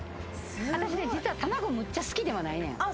私、卵むっちゃ好きではないねん。